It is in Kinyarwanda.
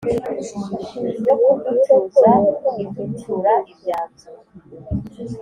Yo kuducuza iducura ibyanzu.